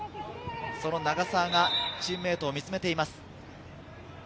その永澤がチームメートを見つめています。